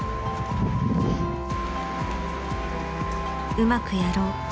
［うまくやろう］